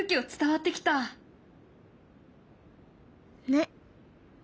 ねっ。